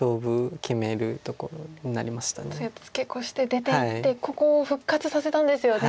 ツケコして出ていってここを復活させたんですよね。